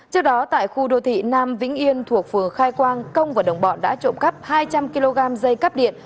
trước đó tại khu đô thị nam vĩnh yên thuộc phường khai quang công và đồng bọn đã trộm cắp hai trăm linh kg dây cắp điện